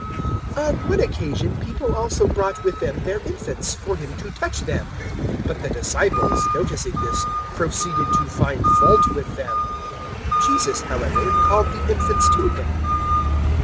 018:015 On one occasion people also brought with them their infants, for Him to touch them; but the disciples, noticing this, proceeded to find fault with them. 018:016 Jesus however called the infants to Him.